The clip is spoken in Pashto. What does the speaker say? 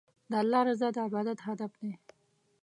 د الله رضا د عبادت هدف دی.